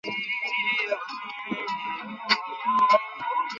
মা ঘরটাকে খুব ভালোভাবে সাজিয়েছে।